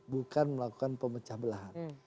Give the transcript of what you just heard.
bukan melakukan pemecah belahan